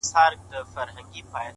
اوبولې یې ریشتیا د زړونو مراندي؛